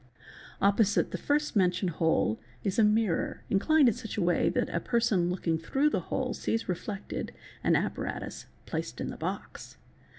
Opposite the first mentioned hole is a mirror '5—"6 inclined in such a way that a person looking through the hole sees reflected an apparatus placed in the box.